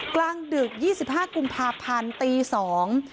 กลางดึก๒๕กุมภาพันธ์ตีสอง